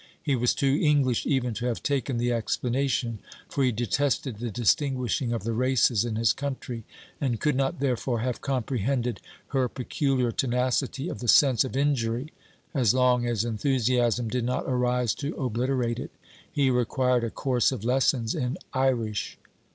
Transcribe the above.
He was too English even to have taken the explanation, for he detested the distinguishing of the races in his country, and could not therefore have comprehended her peculiar tenacity of the sense of injury as long as enthusiasm did not arise to obliterate it. He required a course of lessons in Irish.